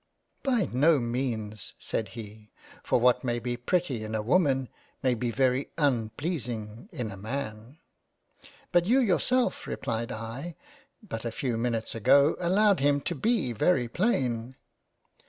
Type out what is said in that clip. "By no means, (said he) for what may be pretty in a Woman, may be very unpleasing in a Man." 6 4 £ LESLEY CASTLE £" But you yourself (replied I) but a few minutes ago allowed him to be very plain."